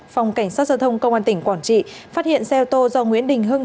phòng cảnh sát giao thông công an tỉnh quảng trị phát hiện xe ô tô do nguyễn đình hưng